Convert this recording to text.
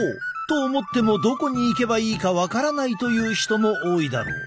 と思ってもどこに行けばいいか分からないという人も多いだろう。